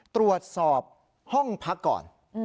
ตรวจสอบห้องพักก่อน